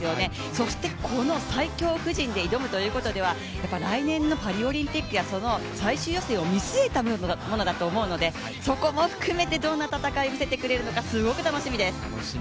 そして、この最強布陣で挑むということではやっぱり来年のパリオリンピックや最終予選を見据えたものだと思うのでそこも含めてどんな戦いを見せてくれるのか、すごく楽しみです。